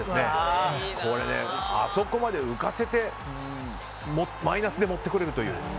あそこまで浮かせてマイナスで持ってこれるという。